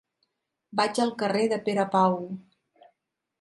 Vaig al carrer de Pere Pau.